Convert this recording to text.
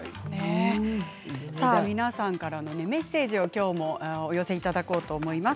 皆さんからメッセージをきょうもお寄せいただこうと思います。